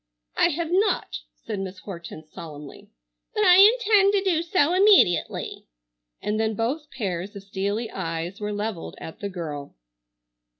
"I have not," said Miss Hortense solemnly, "but I intend to do so immediately," and then both pairs of steely eyes were leveled at the girl.